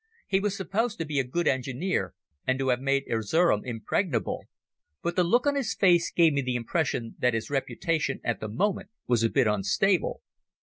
He was supposed to be a good engineer and to have made Erzerum impregnable, but the look on his face gave me the impression that his reputation at the moment was a bit unstable.